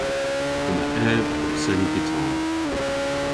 Yma ev ow seni gitar.